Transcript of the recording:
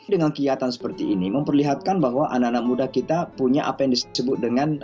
dengan kegiatan seperti ini memperlihatkan bahwa anak anak muda kita punya apa yang disebut dengan